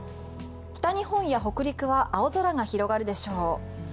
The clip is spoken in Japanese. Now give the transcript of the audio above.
北日本や北陸は青空が広がるでしょう。